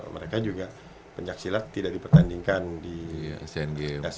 mereka juga pencaksilat tidak dipertandingkan di asian games